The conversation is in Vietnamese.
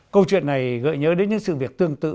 câu chuyện này gợi nhớ đến những sự việc tương tự